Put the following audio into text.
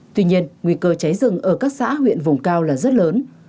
tuy nhiên nguy cơ cháy rừng ở các xã huyện vùng cao là rất lớn